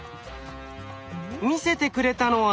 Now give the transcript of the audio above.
見せてくれたのは。